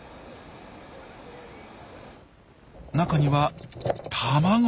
中には卵。